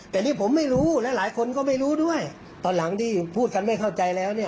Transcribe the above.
แต่นี่ผมไม่รู้และหลายคนก็ไม่รู้ด้วยตอนหลังที่พูดกันไม่เข้าใจแล้วเนี่ย